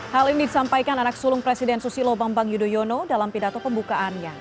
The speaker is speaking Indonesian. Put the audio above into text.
hal ini disampaikan anak sulung presiden susilo bambang yudhoyono dalam pidato pembukaannya